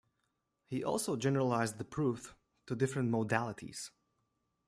He also generalised the proof to different modalities.